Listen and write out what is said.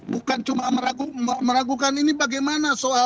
bukan cuma meragukan ini bagaimana soal